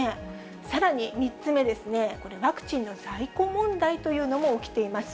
さらに３つ目ですね、ワクチンの在庫問題というのも起きています。